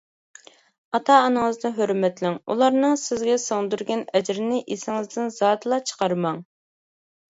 ئاتا-ئانىڭىزنى ھۆرمەتلەڭ، ئۇلارنىڭ سىزگە سىڭدۈرگەن ئەجرىنى ئېسىڭىزدىن زادىلا چىقارماڭ.